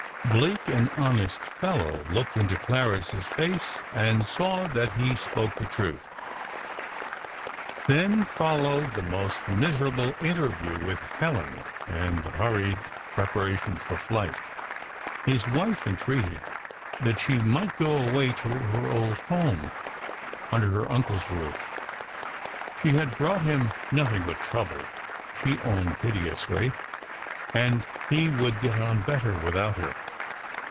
Blake an honest fellow looked into Clarris's face, and saw that he spoke the truth. Then followed the last miserable interview with Helen, and the hurried preparations for flight. His wife entreated that she might go away to her old home, under her uncle's roof. She had brought him nothing but trouble, she owned piteously; and he would get on better without her.